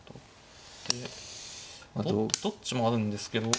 どっちもあるんですけど。